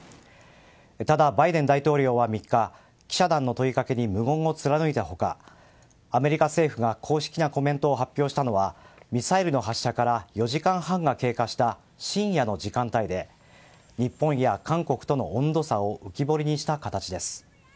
ただ、バイデン大統領は３日記者団の問いかけに無言を貫いた他アメリカ政府が公式なコメントを発表したのは、ミサイルの発射から４時間半が経過した深夜の時間帯で日本や韓国との温度差を浮き彫りにした形です。